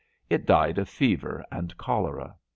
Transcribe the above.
It died of fever and cholera.